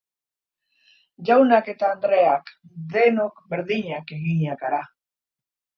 Jaunak eta andreak denok berdinak eginak gara.